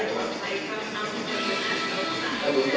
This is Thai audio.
สวัสดีครับ